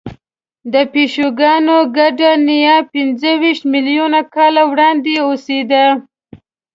د پیشوګانو ګډه نیا پنځهویشت میلیونه کاله وړاندې اوسېده.